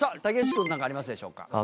竹内君何かありますでしょうか？